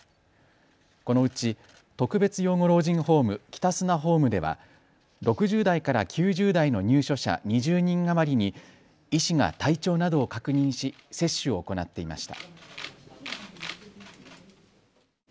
このうち特別養護老人ホーム、北砂ホームでは６０代から９０代の入所者２０人余りに医師が体調などを確認し接種を行っていました。